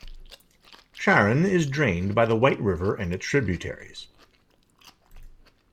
Sharon is drained by the White River and its tributaries.